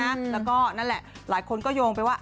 แล้วก็นั่นแหละหลายคนก็โยงไปว่า